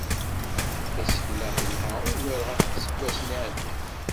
Tasekla, telḥa ugar ɣef yiseggasen iεeddan.